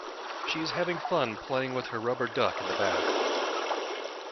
She is having fun playing with her rubber duck in the bath